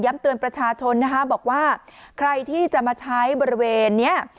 ย้ำเตือนประชาชนบอกว่าที่จะใช้บริเวณนี้